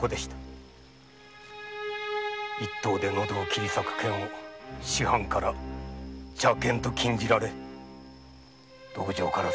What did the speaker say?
一刀で喉を斬り裂く剣を師範から邪剣と禁じられ道場から姿を消しました。